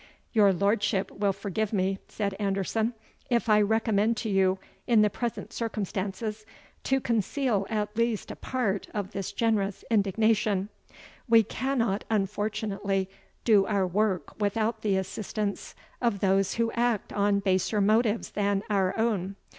"Your lordship will forgive me," said Anderson, "if I recommend to you, in the present circumstances, to conceal at least a part of this generous indignation; we cannot, unfortunately, do our work without the assistance of those who act on baser motives than our own.